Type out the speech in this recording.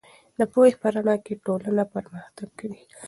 د پوهې په رڼا کې ټولنه پرمختګ کوي.